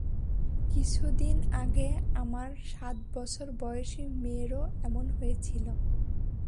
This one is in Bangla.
কিছুদিন আগে আমার সাত বছর বয়সী মেয়েরও এমন হয়েছিল।